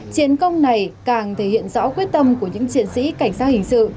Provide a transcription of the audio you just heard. chiến công này càng thể hiện rõ quyết tâm của những chiến sĩ cảnh sát hình sự